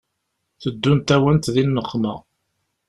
Teddunt-awent di nneqma.